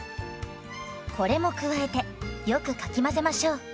これも加えてよくかき混ぜましょう。